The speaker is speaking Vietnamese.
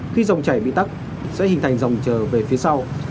khi dòng chảy bị tắt sẽ hình thành dòng chờ về phía sau